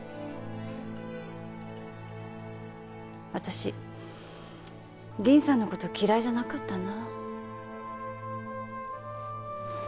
私銀さんの事嫌いじゃなかったな。